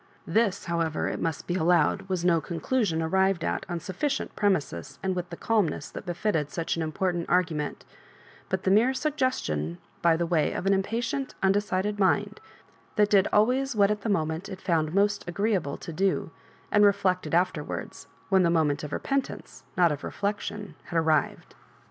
This, however, it must be allowed, was no conclusion arrived at on suf ficient premises, and with the calmness that h^ fitted such an important argument, but the mere suggestion, by the way, of an impatient, undecided mmd, that did always what at the moment it found most agreeable to do, and reflected after wards, when the moment of repentance, not of reflection, had arrived.